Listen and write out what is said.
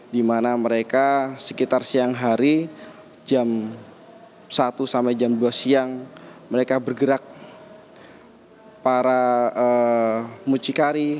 di mana mereka sekitar siang hari jam satu sampai jam dua siang mereka bergerak para mucikari